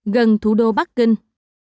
gần thủ đô bắc kinh